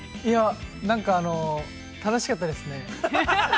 ◆なんか楽しかったですね。